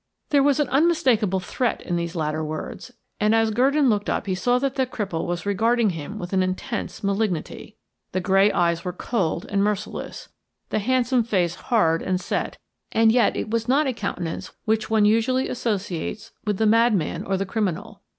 There was an unmistakable threat in these latter words; and as Gurdon looked up he saw that the cripple was regarding him with an intense malignity. The grey eyes were cold and merciless, the handsome face hard and set, and yet it was not a countenance which one usually associates with the madman or the criminal.